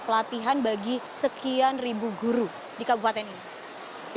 pelatihan bagi sekian ribu guru di kabupaten ini